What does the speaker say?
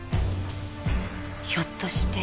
ひょっとして。